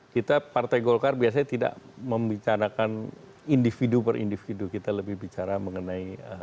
kita partai golkar biasanya tidak membicarakan individu per individu kita lebih bicara mengenai